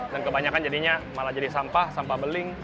dan kebanyakan jadinya malah jadi sampah sampah beling